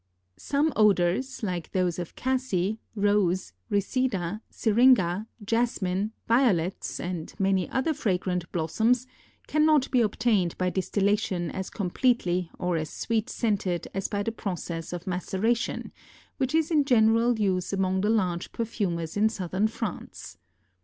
Some odors, like those of cassie, rose, reseda, syringa, jasmine, violets, and many other fragrant blossoms, cannot be obtained by distillation as completely or as sweet scented as by the process of maceration which is in general use among the large perfumers in southern France.